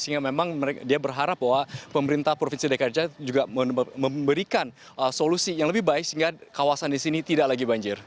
sehingga memang dia berharap bahwa pemerintah provinsi dki jakarta juga memberikan solusi yang lebih baik sehingga kawasan di sini tidak lagi banjir